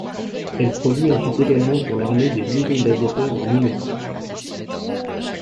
Elle produit ensuite également pour l'armée des blousons d'aviateur en nylon.